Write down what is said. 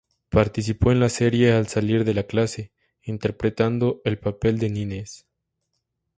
Participó en la serie Al salir de clase, interpretando el papel de Nines.